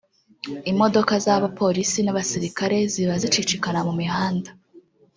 imodoka z’abapolisi n’abasirikare ziba zicicikana mu mihanda